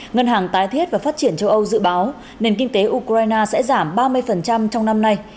ngân hàng tái thiết và phát triển châu âu dự báo nền kinh tế ukraine sẽ giảm ba mươi trong năm nay